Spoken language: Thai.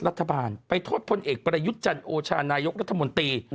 ไปโทษรัฐบาลไปโทษพลเอกประยุจจันทร์โอชานายกรัฐมนตรี